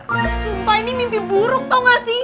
pak sumpah ini mimpi buruk tau gak sih